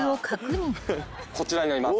こちらになります。